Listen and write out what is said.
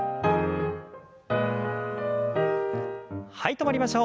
止まりましょう。